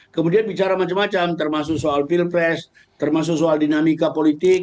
kemudian bicara macam macam termasuk soal pilpres termasuk soal dinamika politik